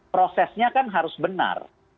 prosesnya kan harus benar